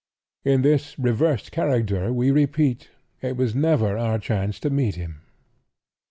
In this reversed character, we repeat, it was never our chance to meet him."